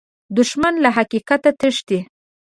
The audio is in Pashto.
دښمن له حقیقت تښتي